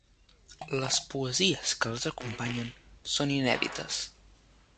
Les poesies que els acompanyen són inèdites.